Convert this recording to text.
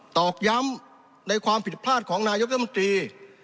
ตอกย้ำในความผิดพลาดของนายกรรมตรี